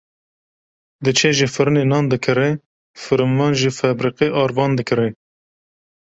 diçe ji firinê nan dikire, firinvan ji febrîqê arvan dikire.